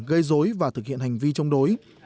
gây dối và thực hiện hành vi chống đối